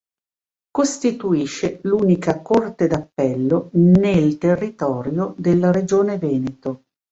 Costituisce l'unica Corte d'appello nel territorio della regione Veneto.